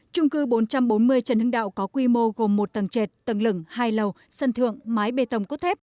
trung cư bốn trăm bốn mươi trần hưng đạo có quy mô gồm một tầng trệt tầng lửng hai lầu sân thượng mái bê tông cốt thép